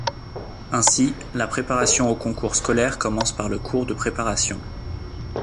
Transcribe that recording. Ainsi, la préparation au concours scolaire commence par le cours de préparation.